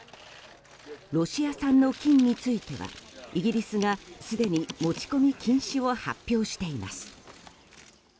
ロシア産の金についてはイギリスがすでに持ち込み禁止を発表しています。